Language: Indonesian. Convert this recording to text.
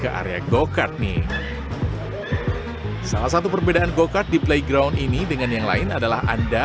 ke area go kart nih salah satu perbedaan go kart di playground ini dengan yang lain adalah anda